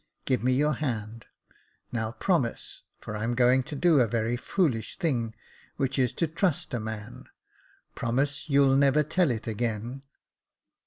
*' Give me your hand — now promise — for I'm going to do a very foolish thing, which is to trust a man — promise you'll never tell it again."